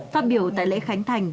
phát biểu tại lễ khánh thành